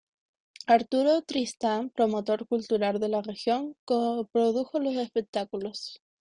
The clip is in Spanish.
Arturo Tristán, promotor cultural de la región, coprodujo los espectáculos.